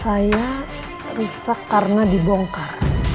saya rusak karena dibongkar